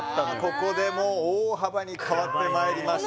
ここでもう大幅に変わってまいりました